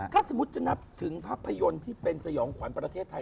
ถ้าสมมุติจะนับถึงภาพยนตร์ที่เป็นสยองขวัญประเทศไทย